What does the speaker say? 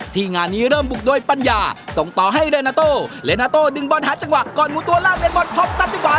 ที่งานนี้เริ่มบุกด้วยปัญญาส่งต่อให้เรนาโตเรนาโตดึงบอลหาจังหวะก่อนหมุนตัวล่างเรนบอลพร้อมทรัพย์ดีกว่า